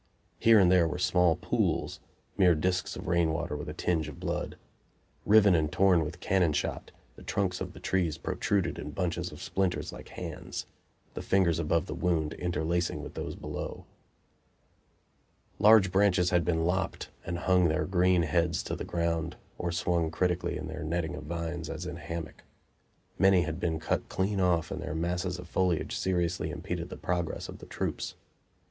Here and there were small pools mere discs of rainwater with a tinge of blood. Riven and torn with cannon shot, the trunks of the trees protruded bunches of splinters like hands, the fingers above the wound interlacing with those below. Large branches had been lopped, and hung their green heads to the ground, or swung critically in their netting of vines, as in a hammock. Many had been cut clean off and their masses of foliage seriously impeded the progress of the troops.